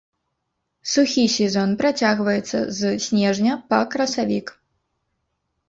Сухі сезон працягваецца з снежня па красавік.